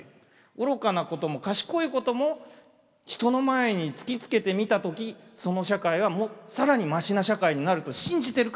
愚かなことも賢いことも人の前に突きつけてみた時その社会は更にマシな社会になると信じてるからやるんです史観はね。